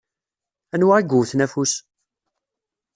Anwa i yewwten afus?